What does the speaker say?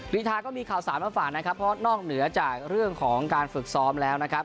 รีทาก็มีข่าวสารมาฝากนะครับเพราะนอกเหนือจากเรื่องของการฝึกซ้อมแล้วนะครับ